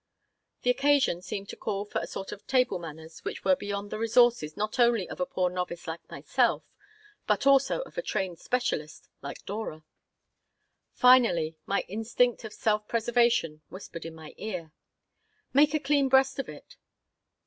The occasion seemed to call for a sort of table manners which were beyond the resources not only of a poor novice like myself, but also of a trained specialist like Dora Finally my instinct of self preservation whispered in my ear, "Make a clean breast of it."